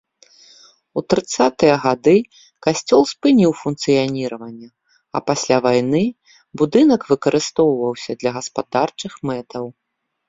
У трыццатыя гады касцёл спыніў функцыяніраванне, а пасля вайны будынак выкарыстоўваўся для гаспадарчых мэтаў.